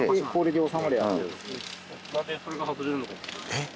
えっ？